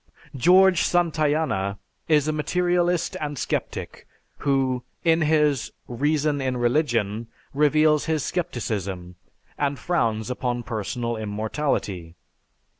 George Santayana is a materialist and sceptic who, in his "Reason in Religion," reveals his scepticism and frowns upon personal immortality.